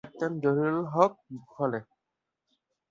থাকতেন জহুরুল হক হলে।